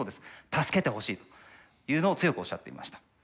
助けてほしいというのを強くおっしゃっていました。